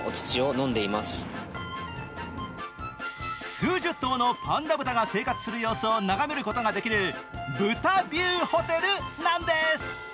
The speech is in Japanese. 数十頭のパンダ豚が生活する様子を眺めることができる豚ビューホテルなんです。